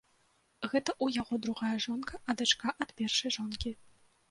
Гэта ў яго другая жонка, а дачка ад першай жонкі.